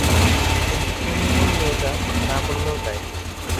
কিন্তু তুমি বললেও যা, না বললেও তাই।